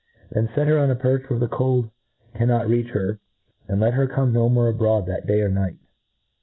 Then fet her on a perch where the cold cannot reach her, and let her come no more a broad that day or night.